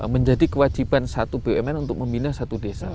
menjadi kewajiban satu bumn untuk membina satu desa